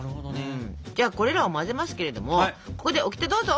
じゃあこれらを混ぜますけれどもここでオキテどうぞ！